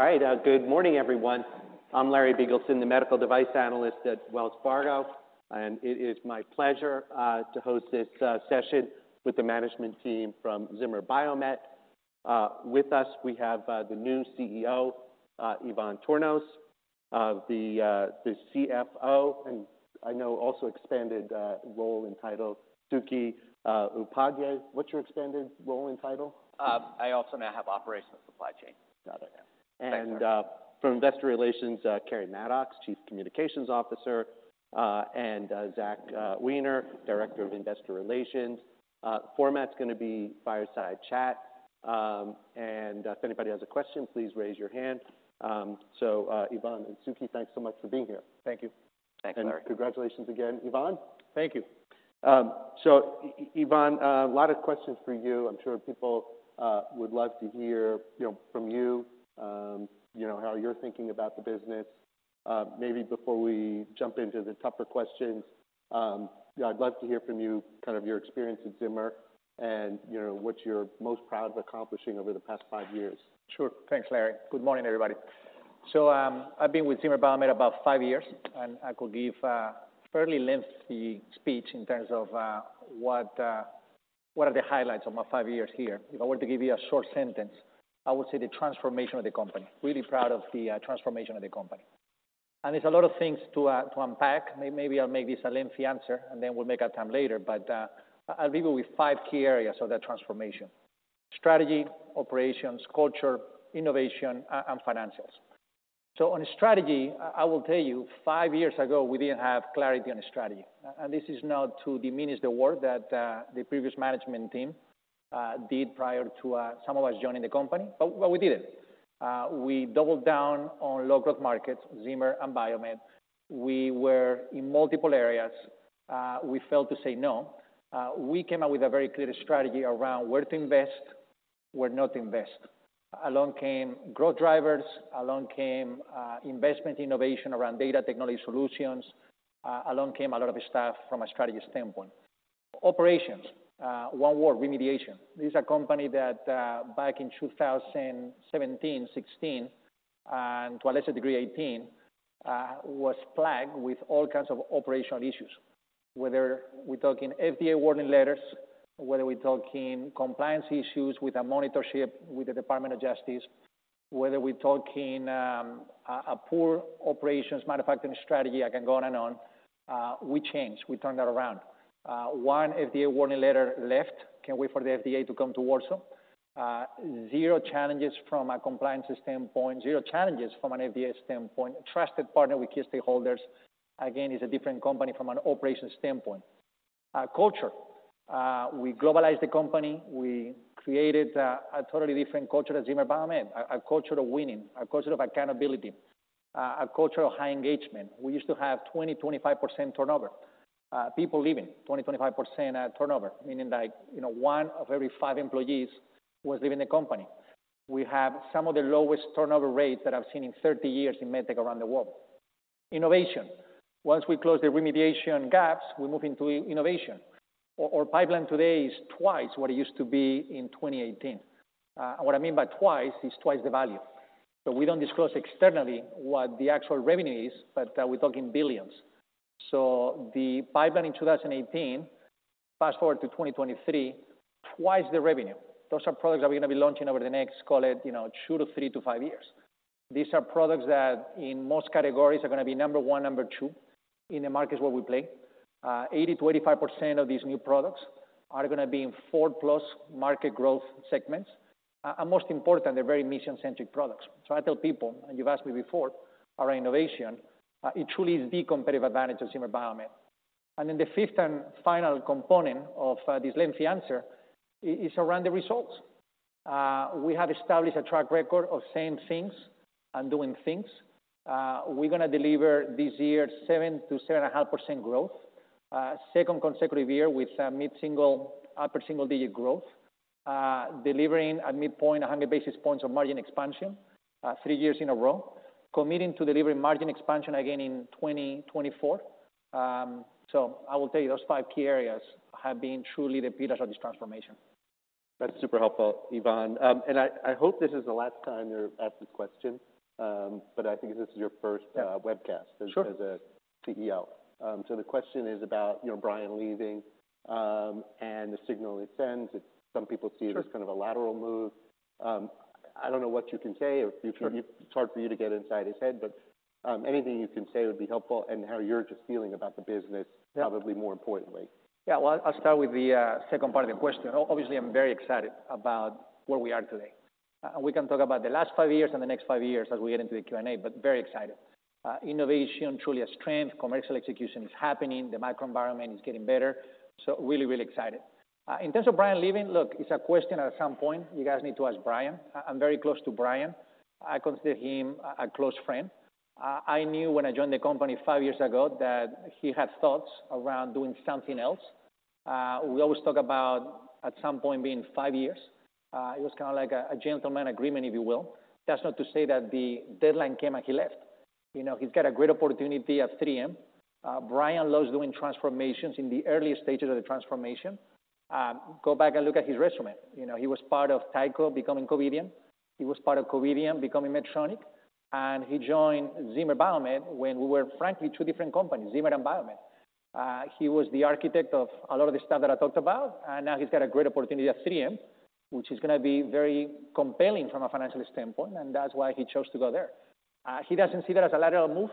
All right, good morning, everyone. I'm Larry Biegelsen, the medical device analyst at Wells Fargo, and it is my pleasure to host this session with the management team from Zimmer Biomet. With us, we have the new CEO, Ivan Tornos, the CFO, and I know also expanded role and title, Suketu Upadhyay. What's your expanded role and title? I also now have operational supply chain. Got it. Thanks, Larry. From Investor Relations, Keri Mattox, Chief Communications Officer, and Zach Weiner, Director of Investor Relations. Format's gonna be fireside chat, and if anybody has a question, please raise your hand. So, Ivan and Suketu, thanks so much for being here. Thank you. Thanks, Larry. Congratulations again, Ivan. Thank you. So Ivan, a lot of questions for you. I'm sure people would love to hear, you know, from you, you know, how you're thinking about the business. Maybe before we jump into the tougher questions, I'd love to hear from you, kind of your experience at Zimmer and, you know, what you're most proud of accomplishing over the past five years. Sure. Thanks, Larry. Good morning, everybody. So, I've been with Zimmer Biomet about five years, and I could give a fairly lengthy speech in terms of what are the highlights of my five years here. If I were to give you a short sentence, I would say the transformation of the company. Really proud of the transformation of the company. And there's a lot of things to unpack. Maybe I'll make this a lengthy answer, and then we'll make our time later, but I'll leave you with five key areas of that transformation: strategy, operations, culture, innovation, and finances. So on strategy, I will tell you, five years ago, we didn't have clarity on strategy. And this is not to diminish the work that, the previous management team, did prior to, some of us joining the company, but, but we did it. We doubled down on low-growth markets, Zimmer and Biomet. We were in multiple areas. We failed to say no. We came out with a very clear strategy around where to invest, where not to invest. Along came growth drivers, along came, investment innovation around data technology solutions, along came a lot of staff from a strategy standpoint. Operations, one word, remediation. This is a company that, back in 2017, 2016, and to a lesser degree, 2018, was flagged with all kinds of operational issues. Whether we're talking FDA warning letters, whether we're talking compliance issues with a monitorship with the Department of Justice, whether we're talking a poor operations manufacturing strategy, I can go on and on. We changed, we turned that around. One FDA warning letter left. Can't wait for the FDA to come to Warsaw. Zero challenges from a compliance standpoint, zero challenges from an FDA standpoint. A trusted partner with key stakeholders. Again, it's a different company from an operations standpoint. Culture. We globalized the company, we created a totally different culture at Zimmer Biomet, a culture of winning, a culture of accountability, a culture of high engagement. We used to have 20, 25% turnover. People leaving, 20, 25% turnover, meaning like, you know, one of every five employees was leaving the company. We have some of the lowest turnover rates that I've seen in 30 years in med tech around the world. Innovation. Once we close the remediation gaps, we move into innovation. Our pipeline today is twice what it used to be in 2018. What I mean by twice is twice the value. So we don't disclose externally what the actual revenue is, but we're talking $ billions. So the pipeline in 2018, fast-forward to 2023, twice the revenue. Those are products that we're going to be launching over the next, call it, you know, 2 to 3 to 5 years. These are products that in most categories, are going to be number one, number two in the markets where we play. 80%-85% of these new products are going to be in 4+ market growth segments. And most important, they're very mission-centric products. So I tell people, and you've asked me before, our innovation, it truly is the competitive advantage of Zimmer Biomet. And then the fifth and final component of this lengthy answer is around the results. We have established a track record of saying things and doing things. We're gonna deliver this year, 7%-7.5% growth. Second consecutive year with a mid-single-upper single digit growth, delivering at midpoint, 100 basis points of margin expansion, three years in a row, committing to delivering margin expansion again in 2024. So I will tell you, those five key areas have been truly the pillars of this transformation. That's super helpful, Ivan. And I hope this is the last time you're asked this question, but I think this is your first webcast. Sure.... as a CEO. So the question is about, you know, Bryan leaving, and the signal it sends. Sure. Some people see it as kind of a lateral move. I don't know what you can say- Sure. It's hard for you to get inside his head, but anything you can say would be helpful, and how you're just feeling about the business- Yeah. Probably more importantly. Yeah, well, I'll start with the second part of the question. Obviously, I'm very excited about where we are today. We can talk about the last five years and the next five years as we get into the Q&A, but very excited. Innovation, truly a strength. Commercial execution is happening. The macro environment is getting better. So really, really excited. In terms of Bryan leaving, look, it's a question at some point you guys need to ask Bryan. I'm very close to Bryan. I consider him a close friend. I knew when I joined the company five years ago that he had thoughts around doing something else. We always talk about at some point being five years. It was kind of like a gentleman's agreement, if you will. That's not to say that the deadline came and he left. You know, he's got a great opportunity at 3M. Bryan loves doing transformations in the earliest stages of the transformation. Go back and look at his resume. You know, he was part of Tyco becoming Covidien. He was part of Covidien becoming Medtronic, and he joined Zimmer Biomet when we were frankly two different companies, Zimmer and Biomet. He was the architect of a lot of the stuff that I talked about, and now he's got a great opportunity at 3M, which is gonna be very compelling from a financial standpoint, and that's why he chose to go there. He doesn't see that as a lateral move,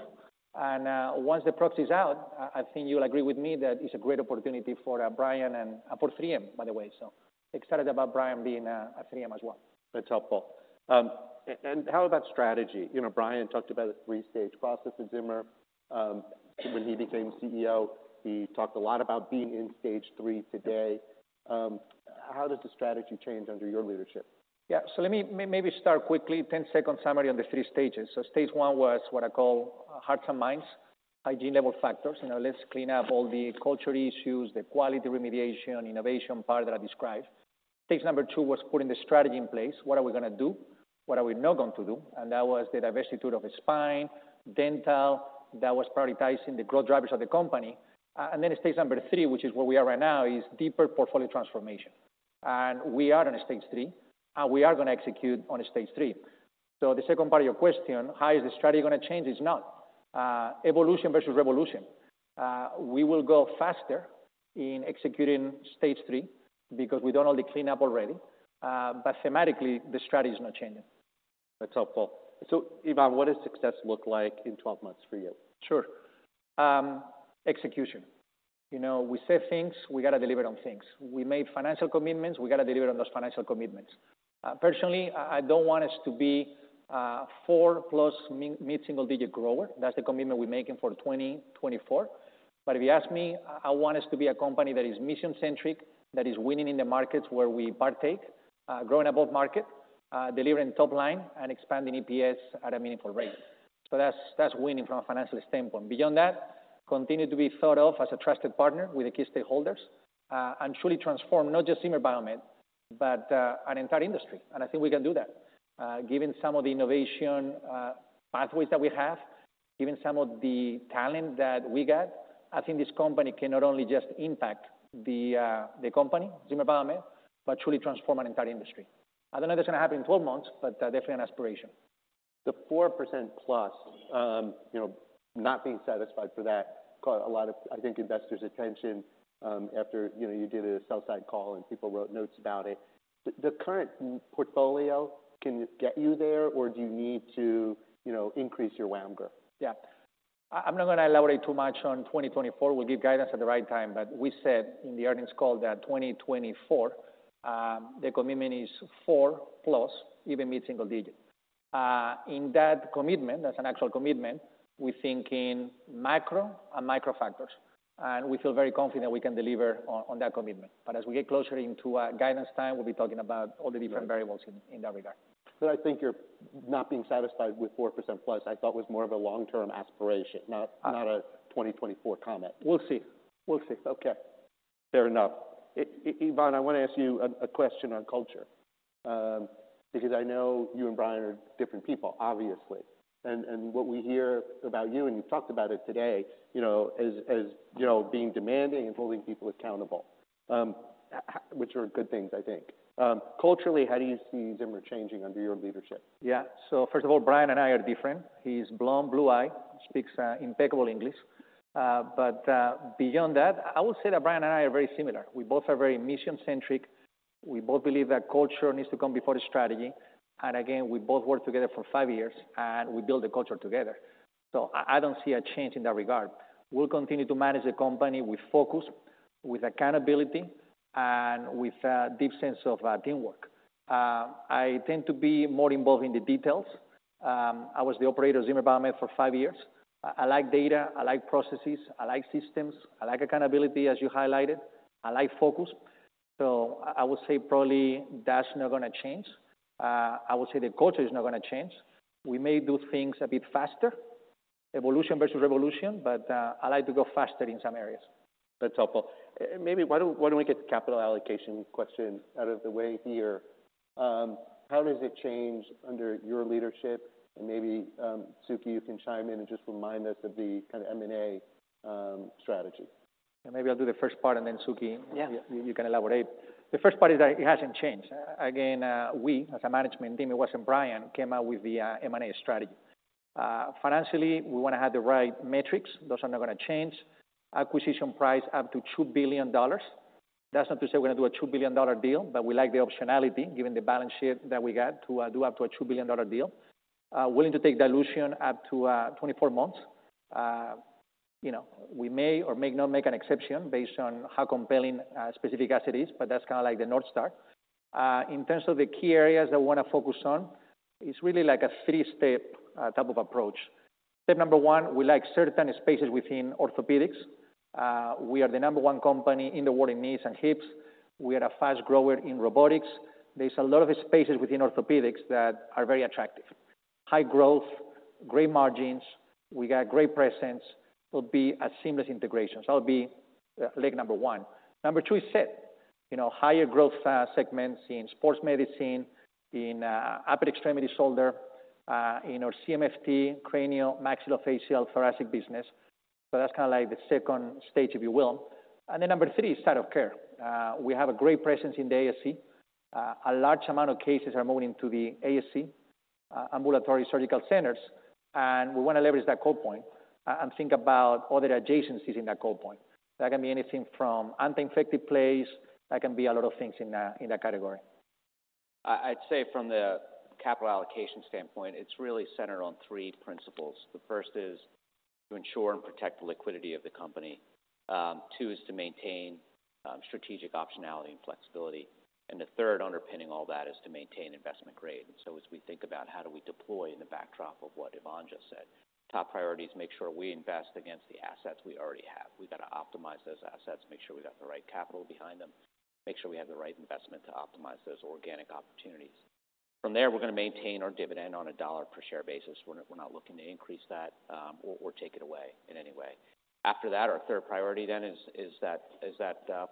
and once the proxy is out, I think you'll agree with me that it's a great opportunity for Bryan and for 3M, by the way. So excited about Bryan being at 3M as well. That's helpful. How about strategy? You know, Bryan talked about a three-stage process at Zimmer. When he became CEO, he talked a lot about being in stage three today. How does the strategy change under your leadership? Yeah. So let me maybe start quickly, 10-second summary on the three stages. So stage one was what I call hearts and minds, hygiene level factors. You know, let's clean up all the culture issues, the quality remediation, innovation part that I described. Stage number two was putting the strategy in place. What are we gonna do? What are we not going to do? And that was the divestiture of Spine, Dental, that was prioritizing the growth drivers of the company. And then stage number three, which is where we are right now, is deeper portfolio transformation. And we are in stage three, and we are gonna execute on stage three. So the second part of your question, how is the strategy gonna change? It's not. Evolution versus revolution. We will go faster in executing stage three because we done all the cleanup already, but thematically, the strategy is not changing. That's helpful. So, Ivan, what does success look like in 12 months for you? Sure. Execution. You know, we say things, we gotta deliver on things. We made financial commitments, we gotta deliver on those financial commitments. Personally, I don't want us to be four plus mid-single digit grower. That's the commitment we're making for 2024. But if you ask me, I want us to be a company that is mission-centric, that is winning in the markets where we partake, growing above market, delivering top line, and expanding EPS at a meaningful rate. So that's winning from a financial standpoint. Beyond that, continue to be thought of as a trusted partner with the key stakeholders, and truly transform not just Zimmer Biomet, but an entire industry, and I think we can do that. Given some of the innovation pathways that we have, given some of the talent that we got, I think this company can not only just impact the company, Zimmer Biomet, but truly transform an entire industry. I don't know if that's gonna happen in 12 months, but definitely an aspiration. The 4%+, you know, not being satisfied for that caught a lot of, I think, investors' attention, after, you know, you did a sell-side call and people wrote notes about it. The current M&A portfolio, can it get you there, or do you need to, you know, increase your M&A growth? Yeah. I, I'm not gonna elaborate too much on 2024. We'll give guidance at the right time, but we said in the earnings call that 2024, the commitment is 4+, even mid-single digit. In that commitment, that's an actual commitment, we think in macro and micro factors, and we feel very confident we can deliver on, on that commitment. But as we get closer into, guidance time, we'll be talking about all the different variables in, in that regard. I think you're not being satisfied with 4%+, I thought was more of a long-term aspiration, not- Uh.... not a 2024 comment. We'll see. We'll see. Okay. Fair enough. Ivan, I wanna ask you a question on culture, because I know you and Bryan are different people, obviously. And what we hear about you, and you talked about it today, you know, as you know, being demanding and holding people accountable, which are good things, I think. Culturally, how do you see Zimmer changing under your leadership? Yeah. So first of all, Bryan and I are different. He's blonde, blue-eyed, speaks impeccable English. But beyond that, I would say that Bryan and I are very similar. We both are very mission-centric. We both believe that culture needs to come before the strategy. And again, we both worked together for five years, and we built the culture together. So I don't see a change in that regard. We'll continue to manage the company with focus, with accountability, and with a deep sense of teamwork. I tend to be more involved in the details. I was the operator of Zimmer Biomet for five years. I like data, I like processes, I like systems, I like accountability, as you highlighted. I like focus. So I would say probably that's not gonna change. I would say the culture is not gonna change. We may do things a bit faster, evolution versus revolution, but I like to go faster in some areas. That's helpful. Maybe why don't we get the capital allocation question out of the way here? How does it change under your leadership? And maybe, Suketu, you can chime in and just remind us of the kind of M&A strategy. Maybe I'll do the first part, and then, Suketu- Yeah. You can elaborate. The first part is that it hasn't changed. Again, we, as a management team, it wasn't Bryan, came out with the M&A strategy. Financially, we wanna have the right metrics. Those are not gonna change. Acquisition price up to $2 billion. That's not to say we're gonna do a $2 billion deal, but we like the optionality, given the balance sheet that we got, to do up to a $2 billion deal. Willing to take dilution up to 24 months. You know, we may or may not make an exception based on how compelling specific asset is, but that's kinda like the North Star. In terms of the key areas that we wanna focus on, it's really like a 3-step type of approach. Step number 1, we like certain spaces within orthopedics. We are the number one company in the world in knees and hips. We are a fast grower in robotics. There's a lot of spaces within orthopedics that are very attractive. High growth, great margins, we got great presence, will be a seamless integration. So that'll be leg number one. Number two is SET. You know, higher growth segments in sports medicine, in upper extremity shoulder, in our CMFT, craniomaxillofacial thoracic business. So that's kind of like the second stage, if you will. And then number three, site of care. We have a great presence in the ASC. A large amount of cases are moving to the ASC, ambulatory surgical centers, and we want to leverage that call point and think about all the adjacencies in that call point. That can be anything from anti-infective plays. That can be a lot of things in that, in that category. I'd say from the capital allocation standpoint, it's really centered on three principles. The first is to ensure and protect the liquidity of the company. Two is to maintain strategic optionality and flexibility. And the third, underpinning all that, is to maintain investment grade. So as we think about how do we deploy in the backdrop of what Ivan just said, top priority is make sure we invest against the assets we already have. We've got to optimize those assets, make sure we got the right capital behind them, make sure we have the right investment to optimize those organic opportunities. From there, we're going to maintain our dividend on a $1 per share basis. We're not, we're not looking to increase that, or, or take it away in any way. After that, our third priority then is that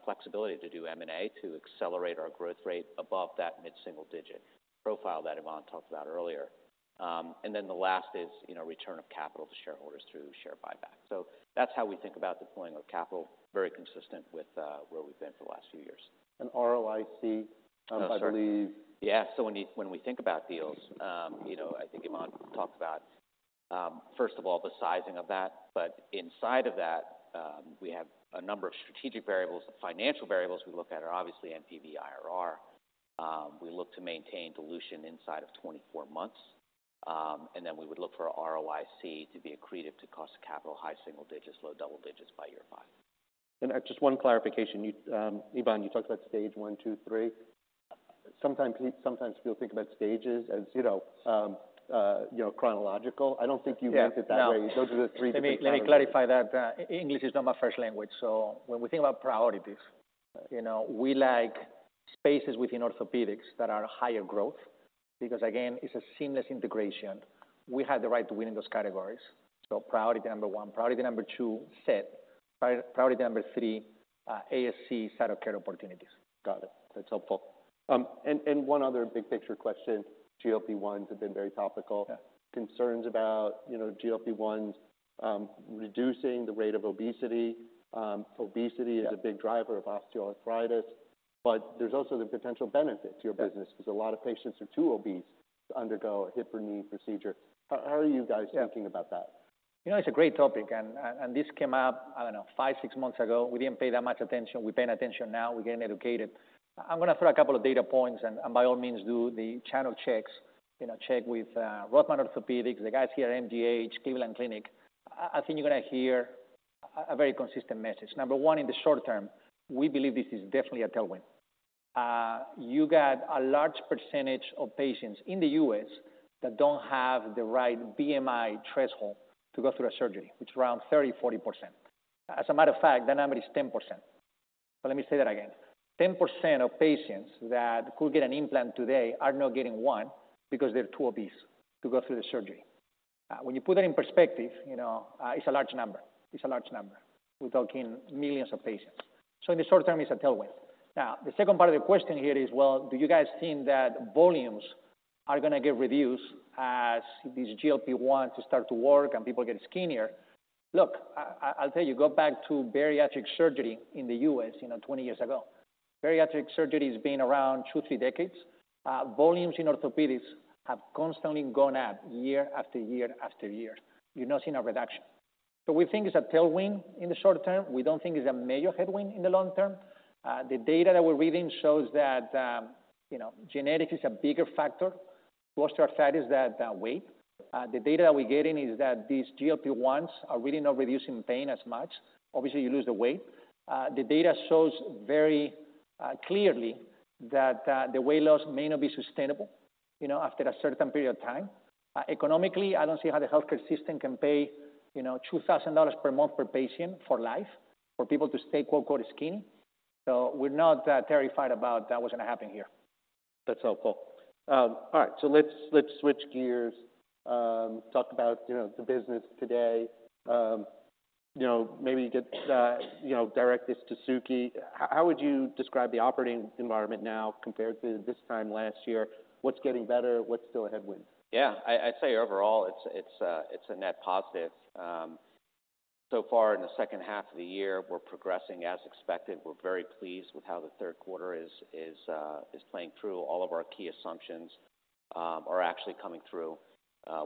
flexibility to do M&A, to accelerate our growth rate above that mid-single digit profile that Ivan talked about earlier. And then the last is, you know, return of capital to shareholders through share buyback. So that's how we think about deploying our capital. Very consistent with where we've been for the last few years. And ROIC, I believe- Yeah, so when we think about deals, you know, I think Ivan talked about, first of all, the sizing of that, but inside of that, we have a number of strategic variables. The financial variables we look at are obviously NPV, IRR. We look to maintain dilution inside of 24 months, and then we would look for ROIC to be accretive to cost of capital, high single digits, low double digits by year 5. Just one clarification. You, Ivan, you talked about stage one, two, three. Sometimes people think about stages as, you know, you know, chronological. I don't think you meant it that way. Yeah, no. Those are the three- Let me, let me clarify that. English is not my first language, so when we think about priorities, you know, we like spaces within orthopedics that are higher growth because again, it's a seamless integration. We have the right to win in those categories. So priority number one. Priority number two, SET. Priority number three, ASC site of care opportunities. Got it. That's helpful. And one other big picture question. GLP-1s have been very topical. Yeah. Concerns about, you know, GLP-1s, reducing the rate of obesity. obesity- Yeah. Is a big driver of osteoarthritis, but there's also the potential benefit to your business. Yeah. - because a lot of patients are too obese to undergo a hip or knee procedure. How, how are you guys- Yeah. thinking about that? You know, it's a great topic, and, and, and this came up, I don't know, 5, 6 months ago. We didn't pay that much attention. We're paying attention now. We're getting educated. I'm going to throw a couple of data points, and, and by all means, do the channel checks. You know, check with Rothman Orthopaedics, the guys here at MGH, Cleveland Clinic. I, I think you're gonna hear a very consistent message. Number one, in the short term, we believe this is definitely a tailwind. You got a large percentage of patients in the U.S. that don't have the right BMI threshold to go through a surgery, which is around 30-40%. As a matter of fact, the number is 10%. But let me say that again. 10% of patients that could get an implant today are not getting one because they're too obese to go through the surgery. When you put that in perspective, you know, it's a large number. It's a large number. We're talking millions of patients. So in the short term, it's a tailwind. Now, the second part of the question here is, well, do you guys think that volumes are going to get reduced as these GLP-1s start to work and people get skinnier? Look, I'll tell you, go back to bariatric surgery in the U.S., you know, 20 years ago. Bariatric surgery has been around two, three decades. Volumes in orthopedics have constantly gone up year after year after year. You're not seeing a reduction. So we think it's a tailwind in the short term. We don't think it's a major headwind in the long term. The data that we're reading shows that, you know, genetics is a bigger factor. Most are factors that, weight. The data we're getting is that these GLP-1s are really not reducing pain as much. Obviously, you lose the weight. The data shows very, clearly that, the weight loss may not be sustainable, you know, after a certain period of time. Economically, I don't see how the healthcare system can pay, you know, $2,000 per month per patient for life, for people to stay, quote, unquote, "skinny." So we're not, terrified about that was going to happen here. That's helpful. All right, so let's, let's switch gears, talk about, you know, the business today. You know, maybe get direct this to Suketu. How would you describe the operating environment now compared to this time last year? What's getting better? What's still a headwind? Yeah, I'd say overall, it's a net positive. So far in the second half of the year, we're progressing as expected. We're very pleased with how the third quarter is playing through. All of our key assumptions are actually coming through.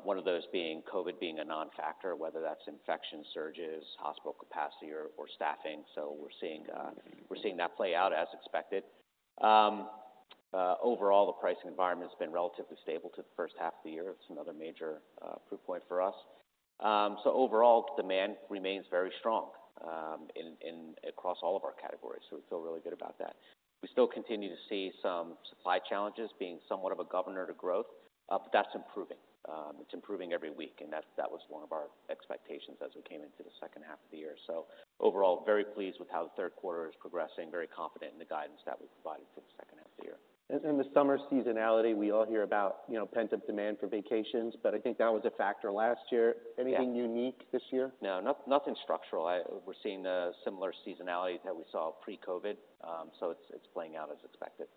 One of those being COVID being a non-factor, whether that's infection surges, hospital capacity, or staffing. So we're seeing that play out as expected. Overall, the pricing environment has been relatively stable to the first half of the year. It's another major proof point for us. So overall, demand remains very strong across all of our categories, so we feel really good about that. We still continue to see some supply challenges being somewhat of a governor to growth, but that's improving. It's improving every week, and that was one of our expectations as we came into the second half of the year. So overall, very pleased with how the third quarter is progressing, very confident in the guidance that we provided for the full year. ... and the summer seasonality, we all hear about, you know, pent-up demand for vacations, but I think that was a factor last year. Yeah. Anything unique this year? No, nothing structural. We're seeing a similar seasonality that we saw pre-COVID, so it's playing out as expected.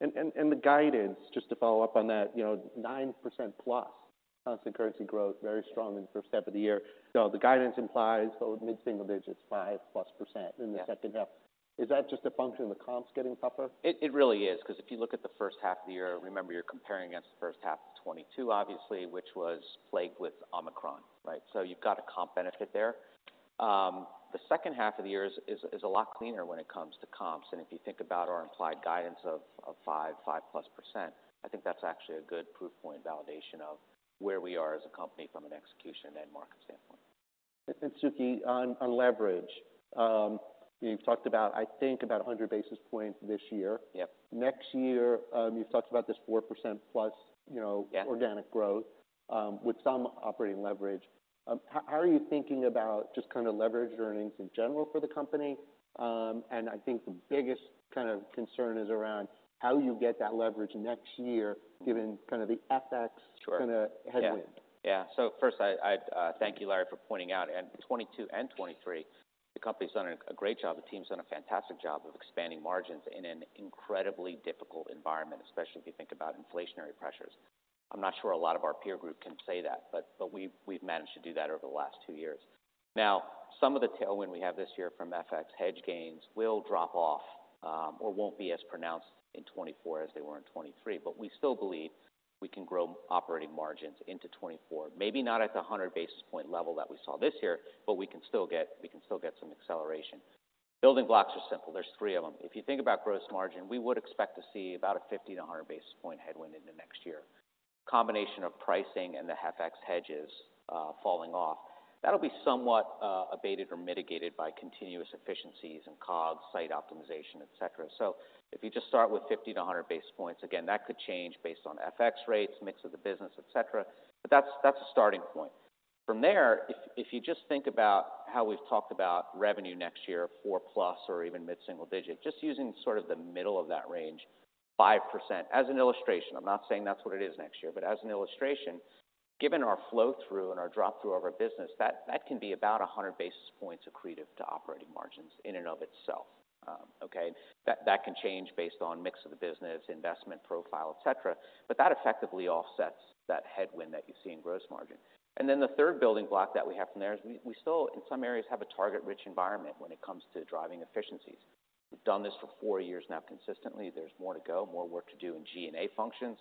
And the guidance, just to follow up on that, you know, 9%+ constant currency growth, very strong in the first half of the year. So the guidance implies mid-single digits, 5%+. Yeah. in the second half. Is that just a function of the comps getting tougher? It really is, because if you look at the first half of the year, remember, you're comparing against the first half of 2022, obviously, which was plagued with Omicron, right? So you've got a comp benefit there. The second half of the year is a lot cleaner when it comes to comps, and if you think about our implied guidance of 5%+, I think that's actually a good proof point validation of where we are as a company from an execution and market standpoint. Suketu, on leverage, you've talked about, I think, about 100 basis points this year. Yep. Next year, you've talked about this 4% plus, you know- Yeah. -organic growth, with some operating leverage. How, how are you thinking about just kind of leverage earnings in general for the company? And I think the biggest kind of concern is around how you get that leverage next year, given kind of the FX- Sure. kind of headwind. Yeah. Yeah. So first, I thank you, Larry, for pointing out, in 2022 and 2023, the company's done a great job. The team's done a fantastic job of expanding margins in an incredibly difficult environment, especially if you think about inflationary pressures. I'm not sure a lot of our peer group can say that, but we've managed to do that over the last two years. Now, some of the tailwind we have this year from FX hedge gains will drop off, or won't be as pronounced in 2024 as they were in 2023, but we still believe we can grow operating margins into 2024. Maybe not at the 100 basis point level that we saw this year, but we can still get some acceleration. Building blocks are simple. There's three of them. If you think about gross margin, we would expect to see about a 50- to 100-basis point headwind in the next year. Combination of pricing and the FX hedges falling off. That'll be somewhat abated or mitigated by continuous efficiencies and COGS, site optimization, et cetera. So if you just start with 50 to 100 basis points, again, that could change based on FX rates, mix of the business, et cetera, but that's, that's a starting point. From there, if, if you just think about how we've talked about revenue next year, 4+ or even mid single digit, just using sort of the middle of that range, 5%. As an illustration, I'm not saying that's what it is next year, but as an illustration, given our flow-through and our drop-through over our business, that, that can be about 100 basis points accretive to operating margins in and of itself. Okay? That, that can change based on mix of the business, investment profile, et cetera, but that effectively offsets that headwind that you see in gross margin. And then the third building block that we have from there is we, we still, in some areas, have a target-rich environment when it comes to driving efficiencies. We've done this for four years now consistently. There's more to go, more work to do in G&A functions,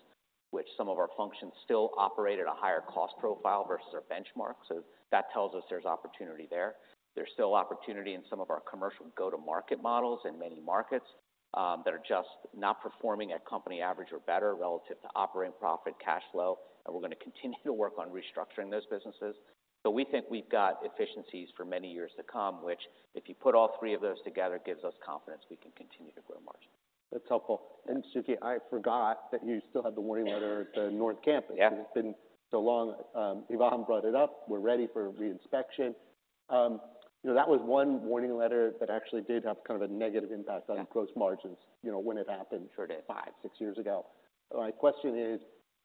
which some of our functions still operate at a higher cost profile versus our benchmarks. So that tells us there's opportunity there. There's still opportunity in some of our commercial go-to-market models in many markets, that are just not performing at company average or better relative to operating profit cash flow, and we're gonna continue to work on restructuring those businesses. But we think we've got efficiencies for many years to come, which, if you put all three of those together, gives us confidence we can continue to grow margin. That's helpful. Suketu, I forgot that you still have the warning letter at the North campus. Yeah. It's been so long, Ivan brought it up. We're ready for reinspection. You know, that was one warning letter that actually did have kind of a negative impact- Yeah. on gross margins, you know, when it happened. Sure did. Five, six years ago. My question is,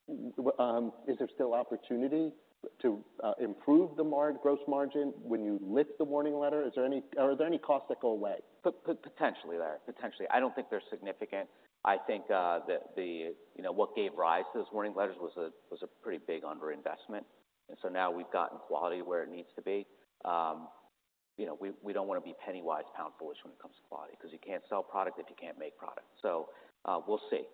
is there still opportunity to improve the gross margin when you lift the warning letter? Is there any? Are there any costs that go away? Potentially, Larry. Potentially. I don't think they're significant. I think, the, you know, what gave rise to those warning letters was a pretty big underinvestment. And so now we've gotten quality where it needs to be. You know, we don't want to be penny-wise, pound-foolish when it comes to quality, because you can't sell product if you can't make product. So, we'll see.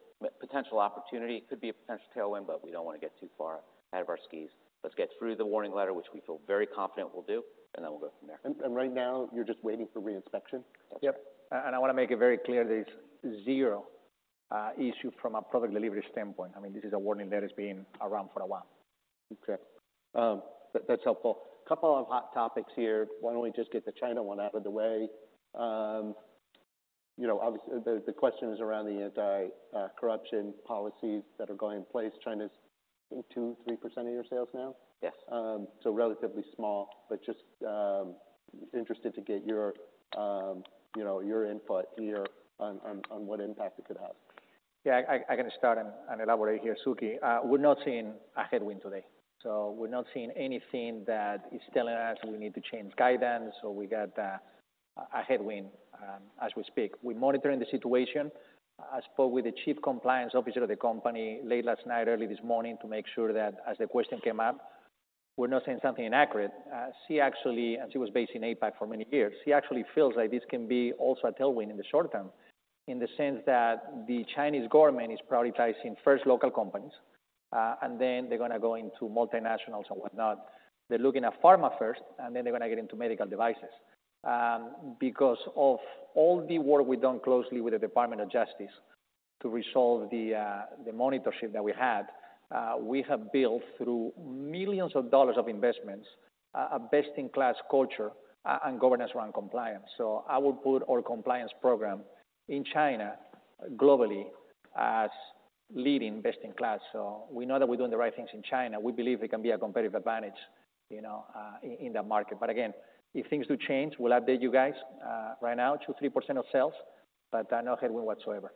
Potential opportunity, could be a potential tailwind, but we don't want to get too far out of our skis. Let's get through the warning letter, which we feel very confident we'll do, and then we'll go from there. And right now, you're just waiting for reinspection? Yep. And I wanna make it very clear, there's zero issue from a product delivery standpoint. I mean, this is a warning letter that has been around for a while. Okay. That, that's helpful. Couple of hot topics here. Why don't we just get the China one out of the way? You know, obviously, the question is around the anti-corruption policies that are going in place. China's 2%-3% of your sales now? Yes. So relatively small, but just interested to get your, you know, your input here on what impact it could have. Yeah, I can start and elaborate here, Suketu. We're not seeing a headwind today, so we're not seeing anything that is telling us we need to change guidance or we got a headwind as we speak. We're monitoring the situation. I spoke with the Chief Compliance Officer of the company late last night, early this morning, to make sure that as the question came up, we're not saying something inaccurate. She actually... And she was based in APAC for many years. She actually feels like this can be also a tailwind in the short term, in the sense that the Chinese government is prioritizing first local companies, and then they're gonna go into multinationals and whatnot. They're looking at pharma first, and then they're gonna get into medical devices. Because of all the work we've done closely with the Department of Justice to resolve the, the monitorship that we had, we have built, through $ millions of investments, a, a best-in-class culture, and governance around compliance. So I would put our compliance program in China, globally, as leading best-in-class. So we know that we're doing the right things in China. We believe it can be a competitive advantage, you know, in, in that market. But again, if things do change, we'll update you guys. Right now, 2%-3% of sales, but, no headwind whatsoever.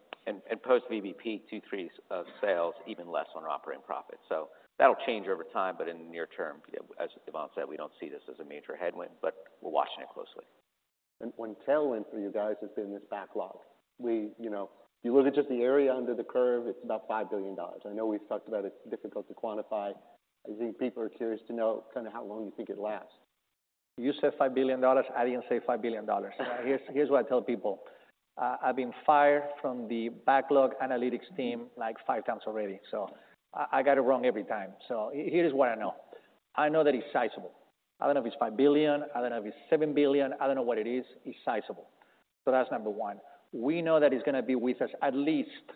Post VBP, two-thirds of sales, even less on operating profit. So that'll change over time, but in the near term, as Ivan said, we don't see this as a major headwind, but we're watching it closely. One tailwind for you guys has been this backlog. We, you know, if you look at just the area under the curve, it's about $5 billion. I know we've talked about it, it's difficult to quantify. I think people are curious to know kind of how long you think it lasts. You said $5 billion, I didn't say $5 billion. Here's, here's what I tell people. I've been fired from the backlog analytics team, like, five times already, so I, I got it wrong every time. So here is what I know. I know that it's sizable. I don't know if it's $5 billion, I don't know if it's $7 billion, I don't know what it is, it's sizable. So that's number one. We know that it's gonna be with us at least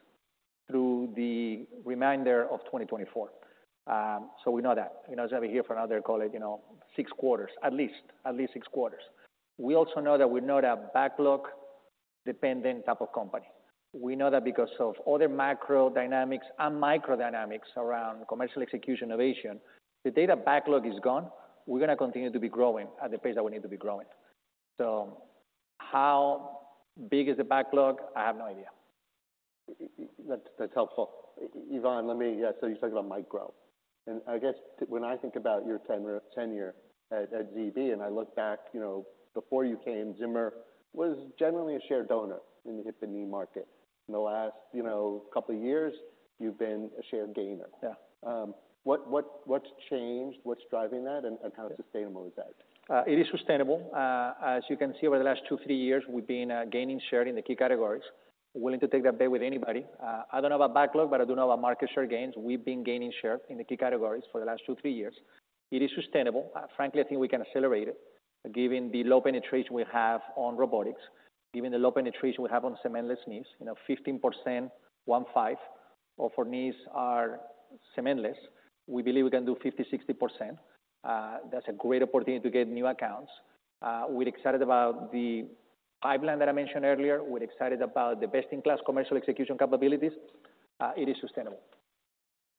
through the remainder of 2024. So we know that. You know, as I hear from another call it, you know, six quarters, at least, at least six quarters. We also know that we're not a backlog-dependent type of company. We know that because of all the macro dynamics and micro dynamics around commercial execution innovation, the data backlog is gone. We're gonna continue to be growing at the pace that we need to be growing. So how big is the backlog? I have no idea. That's helpful. Ivan, let me... Yeah, so you talked about micro. And I guess when I think about your tenure at ZB, and I look back, you know, before you came, Zimmer was generally a share donor in the hip and knee market. In the last, you know, couple of years, you've been a share gainer. Yeah. What, what's changed? What's driving that, and how sustainable is that? It is sustainable. As you can see, over the last two, three years, we've been gaining share in the key categories. Willing to take that bet with anybody. I don't know about backlog, but I do know about market share gains. We've been gaining share in the key categories for the last two, three years. It is sustainable. Frankly, I think we can accelerate it, given the low penetration we have on robotics, given the low penetration we have on cementless knees. You know, 15%, one five, of our knees are cementless. We believe we can do 50%-60%. That's a great opportunity to get new accounts. We're excited about the pipeline that I mentioned earlier. We're excited about the best-in-class commercial execution capabilities. It is sustainable.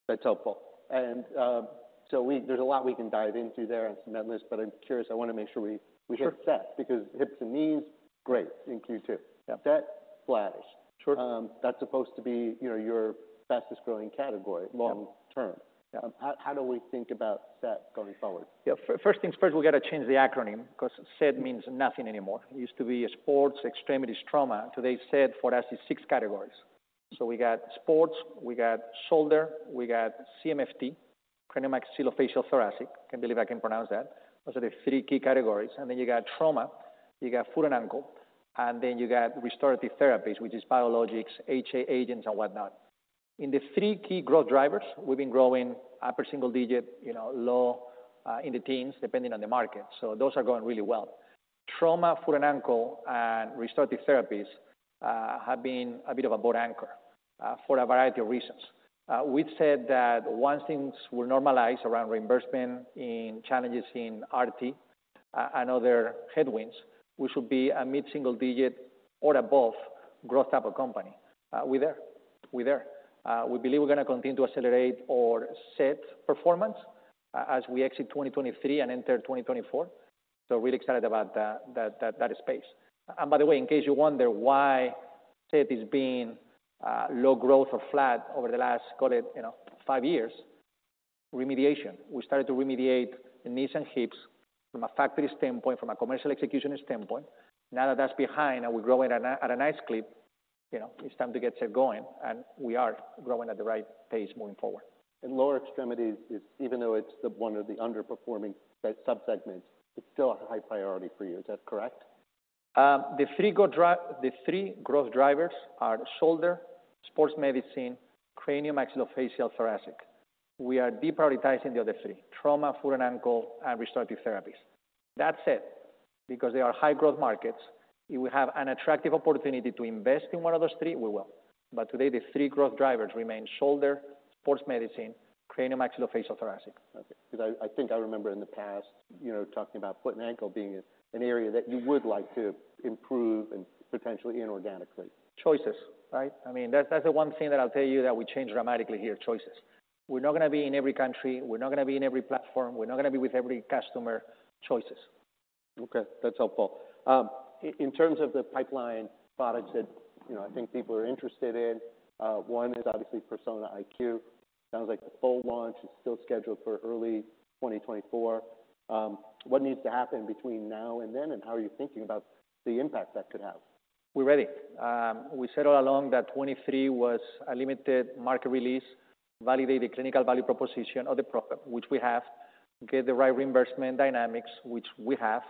That's helpful. There's a lot we can dive into there on cementless, but I'm curious. I wanna make sure we- Sure.... we hit that, because hips and knees, great, in Q2. Yeah. That flattish. Sure. That's supposed to be, you know, your fastest-growing category- Yeah.... long term. Yeah. How do we think about that going forward? Yeah, first things first, we got to change the acronym because SET means nothing anymore. It used to be a sports extremities trauma. Today, SET for us is six categories. So we got sports, we got shoulder, we got CMFT, craniomaxillofacial thoracic. I can't believe I can pronounce that. Those are the three key categories. And then you got trauma, you got foot and ankle, and then you got restorative therapies, which is biologics, HA agents and whatnot. In the three key growth drivers, we've been growing upper single digit, you know, low, in the teens, depending on the market. So those are going really well. Trauma, foot and ankle, and restorative therapies, have been a bit of a boat anchor, for a variety of reasons. We've said that once things were normalized around reimbursement in challenges in RT and other headwinds, we should be a mid-single digit or above growth type of company. We're there. We're there. We believe we're gonna continue to accelerate our SET performance as we exit 2023 and enter 2024. So really excited about that, that, that space. And by the way, in case you wonder why SET is being low growth or flat over the last, call it, you know, 5 years, remediation. We started to remediate the knees and hips from a factory standpoint, from a commercial execution standpoint. Now that that's behind and we're growing at a nice clip, you know, it's time to get SET going, and we are growing at the right pace moving forward. Lower extremities is, even though it's the one of the underperforming subsegments, it's still a high priority for you. Is that correct? The three growth drivers are Shoulder, Sports Medicine, Craniomaxillofacial Thoracic. We are deprioritizing the other three: Trauma, Foot and Ankle, and Restorative Therapies. That said, because they are high-growth markets, if we have an attractive opportunity to invest in one of those three, we will. But today, the three growth drivers remain Shoulder, Sports Medicine, Craniomaxillofacial Thoracic. Okay. Because I think I remember in the past, you know, talking about foot and ankle being an area that you would like to improve and potentially inorganically. Choices, right? I mean, that's, that's the one thing that I'll tell you, that we change dramatically here, choices. We're not gonna be in every country, we're not gonna be in every platform, we're not gonna be with every customer. Choices. Okay, that's helpful. In terms of the pipeline products that, you know, I think people are interested in, one is obviously Persona IQ. Sounds like the full launch is still scheduled for early 2024. What needs to happen between now and then, and how are you thinking about the impact that could have? We're ready. We said all along that 2023 was a limited market release, validate the clinical value proposition of the product, which we have. Get the right reimbursement dynamics, which we have.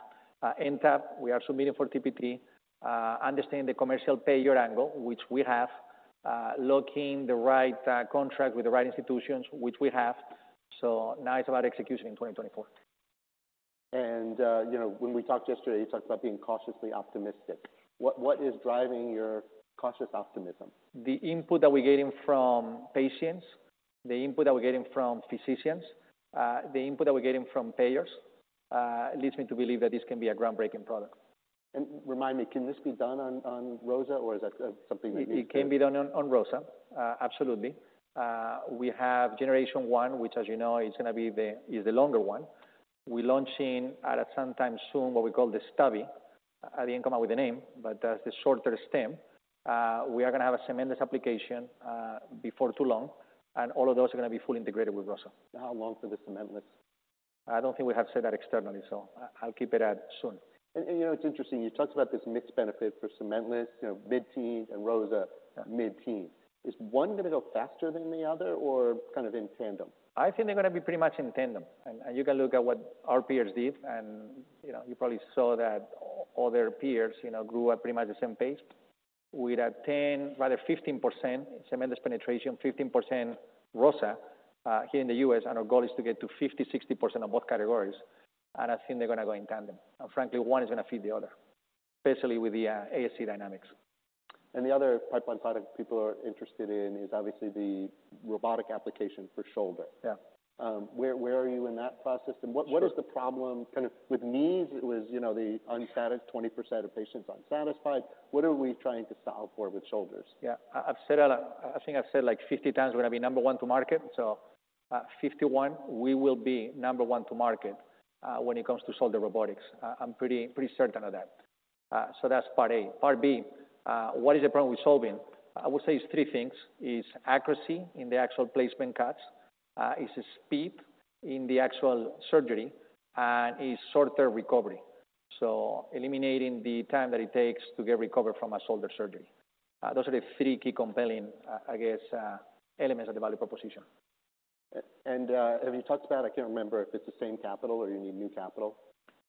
NTAP, we are submitting for TPT, understand the commercial payer angle, which we have. Locking the right contract with the right institutions, which we have. So now it's about execution in 2024. You know, when we talked yesterday, you talked about being cautiously optimistic. What, what is driving your cautious optimism? The input that we're getting from patients, the input that we're getting from physicians, the input that we're getting from payers, leads me to believe that this can be a groundbreaking product. Remind me, can this be done on ROSA, or is that something that needs to- It can be done on ROSA. Absolutely. We have generation one, which, as you know, is gonna be the, is the longer one. We're launching at some time soon, what we call the stubby. I didn't come up with the name, but that's the shorter stem. We are gonna have a cementless application before too long, and all of those are gonna be fully integrated with ROSA. How long for the cementless? I don't think we have said that externally, so I, I'll keep it at soon. You know, it's interesting, you talked about this mixed benefit for cementless, you know, mid-teens and ROSA mid-teen. Is one gonna go faster than the other or kind of in tandem? I think they're gonna be pretty much in tandem. And you can look at what our peers did, and, you know, you probably saw that all their peers, you know, grew at pretty much the same pace. We're at 10, rather 15% cementless penetration, 15% ROSA, here in the U.S., and our goal is to get to 50-60% on both categories. And I think they're gonna go in tandem. And frankly, one is gonna feed the other, especially with the ASC dynamics. The other pipeline product people are interested in is obviously the robotic application for shoulder. Yeah. Where are you in that process? Sure. What is the problem? Kind of with knees, it was, you know, the unsatisfied 20% of patients unsatisfied. What are we trying to solve for with shoulders? Yeah. I've said that, I think I've said, like, 50 times, we're gonna be number one to market. So, 51, we will be number one to market when it comes to shoulder robotics. I'm pretty, pretty certain of that. So that's part A. Part B, what is the problem with solving? I would say it's three things: accuracy in the actual placement cuts, speed in the actual surgery, and shorter recovery. So eliminating the time that it takes to get recovered from a shoulder surgery. Those are the three key compelling, I guess, elements of the value proposition. Have you talked about... I can't remember if it's the same capital or you need new capital?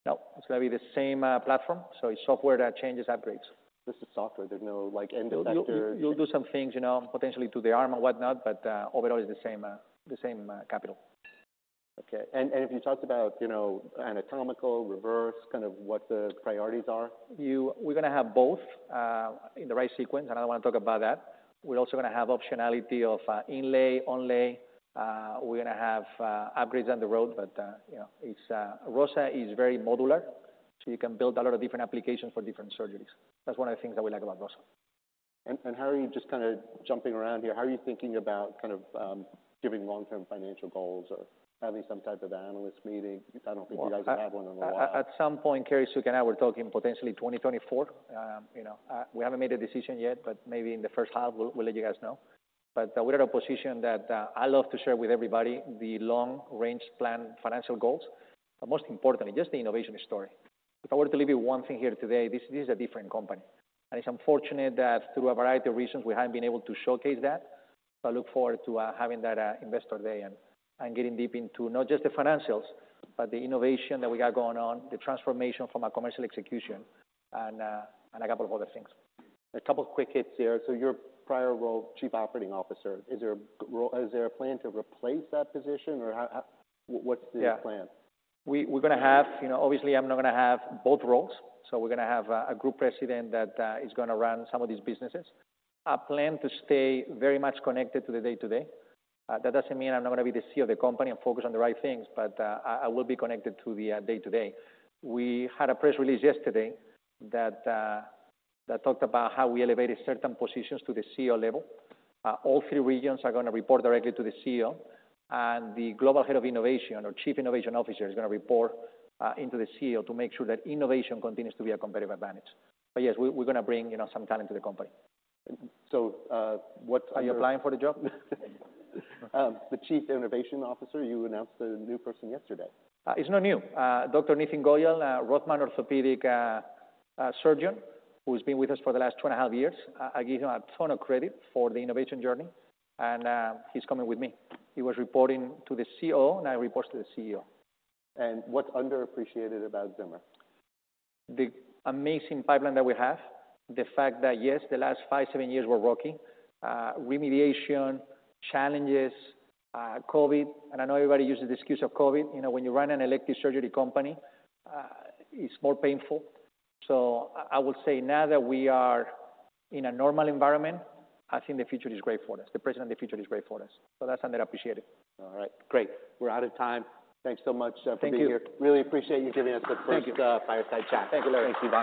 No, it's gonna be the same platform. So it's software that changes, upgrades. This is software. There's no, like, end effector. You'll, you'll do some things, you know, potentially to the arm or whatnot, but overall, it's the same, the same capital. Okay. And have you talked about, you know, anatomical, reverse, kind of what the priorities are? You- we're gonna have both, in the right sequence, and I don't want to talk about that. We're also gonna have optionality of, inlay, onlay. We're gonna have, upgrades on the road, but, you know, it's... ROSA is very modular, so you can build a lot of different applications for different surgeries. That's one of the things that we like about ROSA. How are you just kind of jumping around here, how are you thinking about kind of giving long-term financial goals or having some type of analyst meeting? I don't think you guys have had one in a while. Some point, Keri, Suketu, and I were talking potentially 2024. You know, we haven't made a decision yet, but maybe in the first half, we'll let you guys know. But we're at a position that I love to share with everybody the long range plan, financial goals, but most importantly, just the innovation story. If I were to leave you one thing here today, this, this is a different company. It's unfortunate that through a variety of reasons, we haven't been able to showcase that, but I look forward to having that investor day and getting deep into not just the financials, but the innovation that we got going on, the transformation from a commercial execution, and a couple of other things. A couple quick hits here. So your prior role, Chief Operating Officer, is there a plan to replace that position or how? What's the plan? Yeah. We're gonna have... You know, obviously, I'm not gonna have both roles, so we're gonna have a group president that is gonna run some of these businesses. I plan to stay very much connected to the day-to-day. That doesn't mean I'm not gonna be the CEO of the company and focus on the right things, but I will be connected to the day-to-day. We had a press release yesterday that talked about how we elevated certain positions to the CEO level. All three regions are gonna report directly to the CEO, and the global head of innovation, or Chief Innovation Officer, is gonna report into the CEO to make sure that innovation continues to be a competitive advantage. But yes, we're gonna bring, you know, some talent to the company. So, what- Are you applying for the job? The Chief Innovation Officer, you announced a new person yesterday. It's not new. Dr. Nitin Goyal, a Rothman Orthopaedics surgeon, who's been with us for the last two and a half years. I give him a ton of credit for the innovation journey, and he's coming with me. He was reporting to the COO, now he reports to the CEO. What's underappreciated about Zimmer? The amazing pipeline that we have, the fact that, yes, the last five, seven years were rocky. Remediation, challenges, COVID, and I know everybody uses the excuse of COVID. You know, when you run an elective surgery company, it's more painful. So I would say now that we are in a normal environment, I think the future is great for us. The present and the future is great for us. So that's underappreciated. All right, great. We're out of time. Thanks so much for being here. Thank you. Really appreciate you giving us the first- Thank you. - Fireside chat. Thank you, Larry. Thank you. Bye.